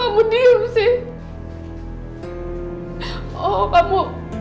kamu kamu udah mulai terpengaruh sama putri